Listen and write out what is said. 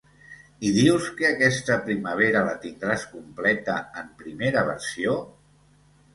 I dius que aquesta primavera la tindràs completa en primera versió?